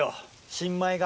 新米が。